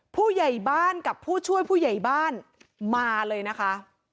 ผู้ใหญ่บ้านกับผู้ช่วยผู้ใหญ่บ้านมาเลยนะคะ